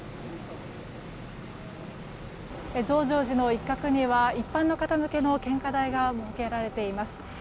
増上寺の一角には一般の方向けの献花台が設けられています。